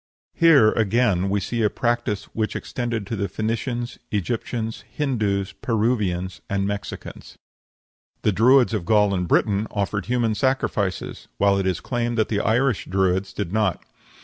Here again we see a practice which extended to the Phoenicians, Egyptians, Hindoos, Peruvians, and Mexicans. The Druids of Gaul and Britain offered human sacrifices, while it is claimed that the Irish Druids did not.